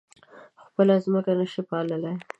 خپله ځمکه نه شي پاللی.